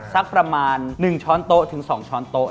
สักประมาณ๑ช้อนโต๊ะถึง๒ช้อนโต๊ะ